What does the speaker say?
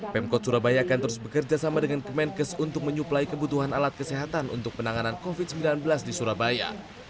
pemkot surabaya akan terus bekerja sama dengan kemenkes untuk menyuplai kebutuhan alat kesehatan untuk penanganan covid sembilan belas di surabaya